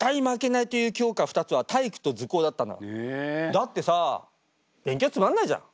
だってさ勉強つまんないじゃん。